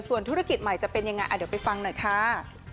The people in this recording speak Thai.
ส่วนธุรกิจใหม่จะเป็นยังไงเดี๋ยวไปฟังหน่อยค่ะ